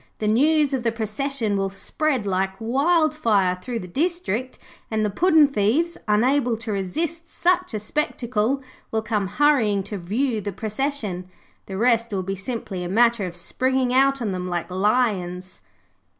The news of the procession will spread like wildfire through the district, and the puddin' thieves, unable to resist such a spectacle, will come hurrying to view the procession. The rest will be simply a matter of springing out on them like lions.'